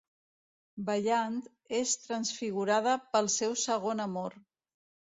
Ballant, és transfigurada pel seu segon amor.